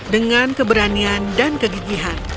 dengan keberanian dan kegigihan